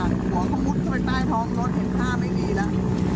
ทุกคนกลัวความความปังคลองอยากจะแข็งให้มีครับ